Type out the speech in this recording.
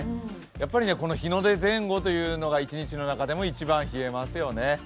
やっぱり日の出前後というのが一日の中でも一番冷えますよね。